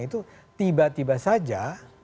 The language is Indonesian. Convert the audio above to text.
itu tiba tiba saja